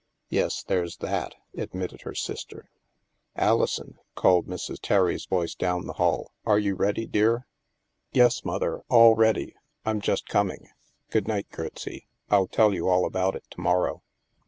'' Yes, there's that," admitted her sister. "Alison," called Mrs. Terry's voice down the hall, " are you ready, dear? " "Yes, Mother, all ready. I'm just coming. Good night, Gertsie, I'll tell you all about it to morrow."